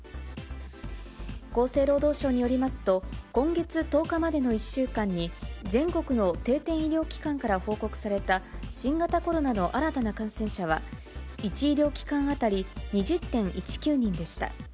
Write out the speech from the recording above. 厚生労働省によりますと、今月１０日までの１週間に、全国の定点医療機関から報告された新型コロナの新たな感染者は、１医療機関当たり２０．１９人でした。